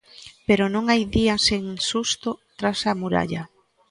Pero non hai día sen susto tras a muralla.